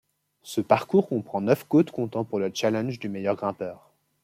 Ce parcours comprend neuf côtes comptant pour le challenge du meilleur grimpeur.